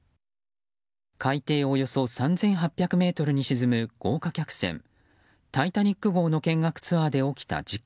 海底およそ３８００ｍに沈む豪華客船「タイタニック号」の見学ツアーで起きた事故。